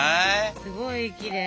すごいきれい。